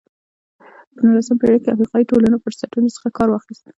په نولسمه پېړۍ کې افریقایي ټولنو فرصتونو څخه کار واخیست.